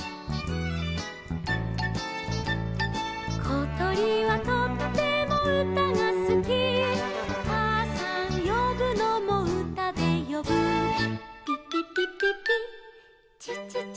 「ことりはとってもうたがすき」「かあさんよぶのもうたでよぶ」「ぴぴぴぴぴちちちちち」